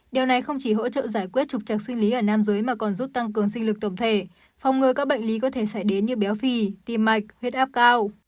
điều này không chỉ hỗ trợ giải quyết trục trạc sinh lý ở nam giới mà còn giúp tăng cường sinh lực tổng thể phòng ngừa các bệnh lý có thể xảy đến như béo phì tim mạch huyết áp cao